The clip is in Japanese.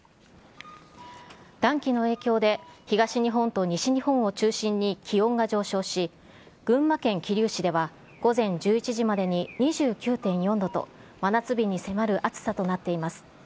暖気の影響で東日本と西日本を中心に気温が上昇し、群馬県桐生市では午前１１時までに２９．４度と、真夏日に迫る暑さとなっています。